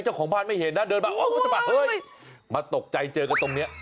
เจ้าของบ้านไม่เห็นนะเดินมาเฮ้ยมาตกใจเจอกันตรงนี้